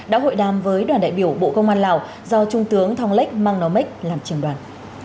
đã hội đàm với đoàn đại biểu bộ công an lào do trung tướng thong lích mang nói mích làm trưởng đoàn